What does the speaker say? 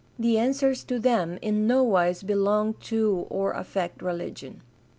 The answers to them in nowise belong to or affect religion.